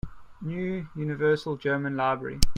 New Universal German Library.